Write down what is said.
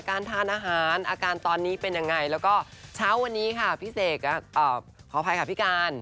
การทานอาหารอาการตอนนี้เป็นยังไงแล้วก็เช้าวันนี้ค่ะพี่เสกขออภัยค่ะพี่การ